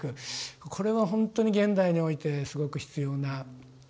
これはほんとに現代においてすごく必要な宗教。